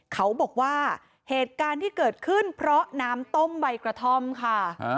เขาบอกว่าเหตุการณ์ที่เกิดขึ้นเพราะน้ำต้มใบกระท่อมค่ะ